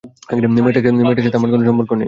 মেয়েটার সাথে আমার কোন সম্পর্ক নেই।